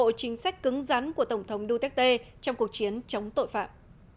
ủng hộ chính sách cứng rắn của tổng thống duterte trong cuộc chiến chống tội phạm